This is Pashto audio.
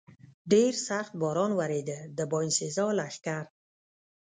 ډېر سخت باران ورېده، د باینسېزا لښکر.